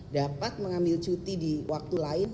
dapat mengambil cuti di waktu lain